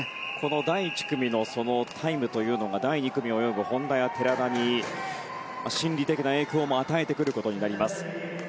第１組のタイムというのが第２組を泳ぐ本多や寺田に心理的な影響も与えてくることになります。